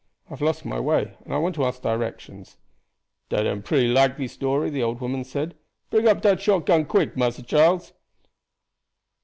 I have lost my way, and I want to ask directions." "Dat am pretty likely story," the old woman said. "Bring up dat shot gun quick, Massa Charles."